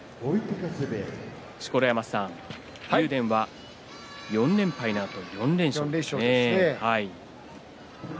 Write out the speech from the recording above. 錣山さん、竜電は４連敗のあと４連勝。